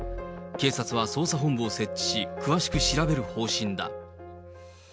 警察は捜査本部を設置し、詳しく調べる方針だ。